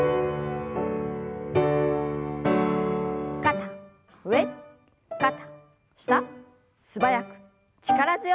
肩上肩下素早く力強く。